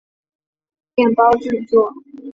欧洲常见的西多士主要使用法国面包制作。